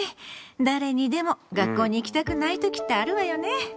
誰にでも学校に行きたくない時ってあるわよね。